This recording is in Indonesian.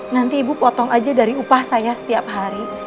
nanti ibu potong aja dari upah saya setiap hari